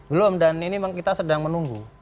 belum dan ini memang kita sedang menunggu